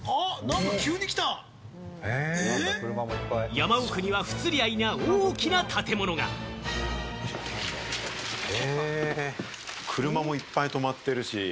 山奥には不釣り合いな、車もいっぱい止まってるし。